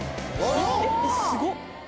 すごっ！